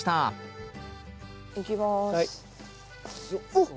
おっ。